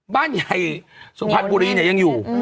บ้านใหญ่สุพรรณบุรีเนี่ยยังอยู่